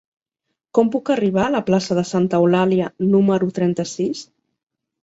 Com puc arribar a la plaça de Santa Eulàlia número trenta-sis?